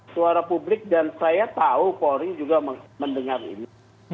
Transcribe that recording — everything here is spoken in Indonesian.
suara publik dan saya tahu polri juga mendengar ini